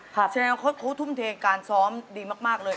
จราคอนดาร์ครดเขาทุ่มเทการซ้อมดีมากเลย